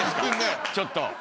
ちょっと。